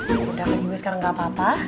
ya udah kak julie sekarang nggak apa apa